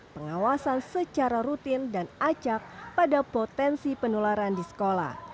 pengawasan secara rutin dan acak pada potensi penularan di sekolah